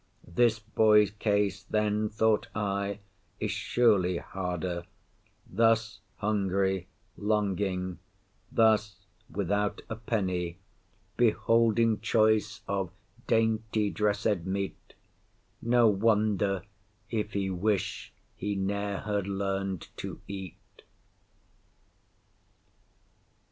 This boy's case, then thought I, is surely harder, Thus hungry, longing, thus without a penny, Beholding choice of dainty dressed meat: No wonder if he wish he ne'er had learn'd to eat.